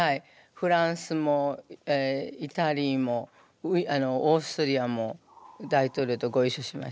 フランスもイタリーもオーストリアも大統領とごいっしょしました。